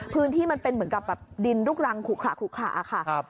พื้นที่มันเป็นเหมือนกับดินรุกรังขุกขระค่ะ